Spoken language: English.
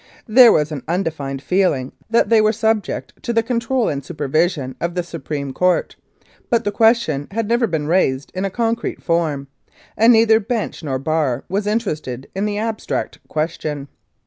There was an undefined feeling that they were subject to the control and supervision of the Supreme Court, but the question had never been raised in a concrete form, and neither Bench nor Bar was interested in the abstract question.